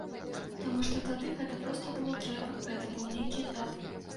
Таму што тады гэта проста было трэба, гэта быў нейкі этап.